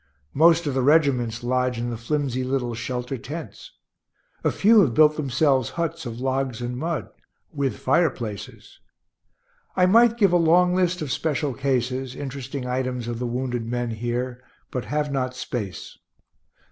Most of the regiments lodge in the flimsy little shelter tents. A few have built themselves huts of logs and mud, with fireplaces. I might give a long list of special cases, interesting items of the wounded men here, but have not space.